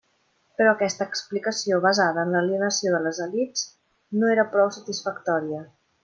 Però aquesta explicació basada en l'alienació de les elits no era prou satisfactòria.